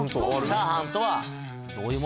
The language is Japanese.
チャーハンとは何ぞや？